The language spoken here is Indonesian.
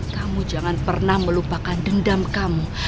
kamu jangan pernah melupakan dendam kamu